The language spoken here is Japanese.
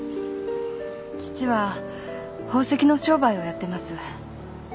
父は宝石の商売をやってます。